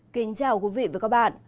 kính chào quý vị và các bạn